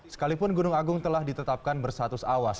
sekalipun gunung agung telah ditetapkan bersatus awas